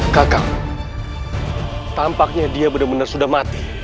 kakak tampaknya dia benar benar sudah mati